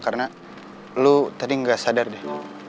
karena lo tadi gak sadar deh